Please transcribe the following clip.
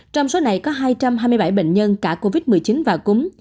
trong số này có hai trăm hai mươi bảy bệnh nhân cả covid một mươi chín và cúm